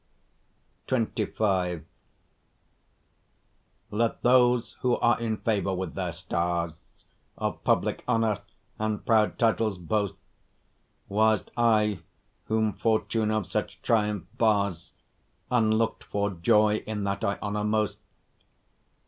XXV Let those who are in favour with their stars Of public honour and proud titles boast, Whilst I, whom fortune of such triumph bars Unlook'd for joy in that I honour most.